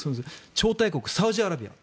超大国サウジアラビア。